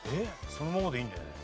そのままでいいんだよね？